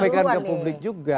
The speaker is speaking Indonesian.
menyampaikan ke publik juga